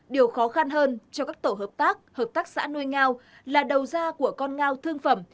điều khó khăn hơn cho các tổ hợp tác hợp tác xã nuôi ngao là đầu ra của con ngao thương phẩm